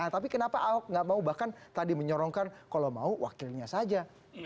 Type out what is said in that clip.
tapi kenapa ahok nggak mau bahkan tadi menyorongkan kalau mau wakilnya saja